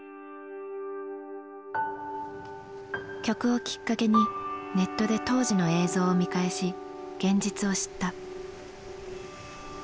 曲をきっかけにネットで当時の映像を見返し現実を知った。